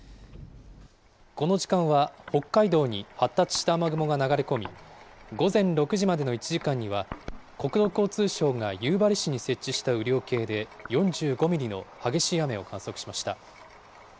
この時間は北海道に発達した雨雲が流れ込み、午前６時までの１時間には、国土交通省が夕張市に設置した雨量計で４５ミリの激しい雨を観測しました。